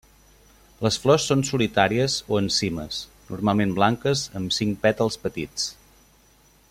Les flors són solitàries o en cimes, normalment blanques amb cinc pètals petits.